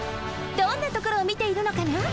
どんなところをみているのかな？